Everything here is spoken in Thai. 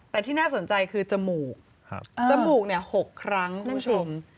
แต่ที่น่าสนใจคือจมูกจมูก๖ครั้งคุณผู้ชม